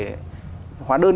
hoạt động về thương mại điện tử